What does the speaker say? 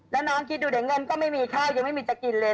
แล้วน้องคิดดูเดี๋ยวเงินก็ไม่มีข้าวยังไม่มีจะกินเลย